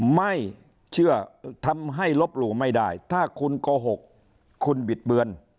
ไม่เชื่อทำให้ลบหลู่ไม่ได้ถ้าคุณโกหกคุณบิดเบือน